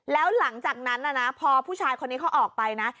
แล้วหลังจากนั้นนะพอผู้ชายคนนี้เขาออกไปนะ